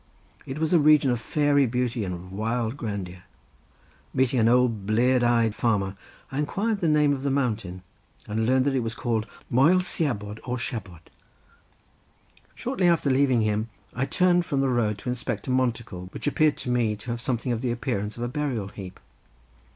It was a region of fairy beauty and of wild grandeur. Meeting an old bleared eyed farmer I inquired the name of the mountain and learned that it was called Moel Siabod or Shabod. Shortly after leaving him, I turned from the road to inspect a monticle which appeared to me to have something of the appearance of a burial heap.